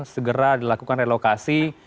segera dilakukan relokasi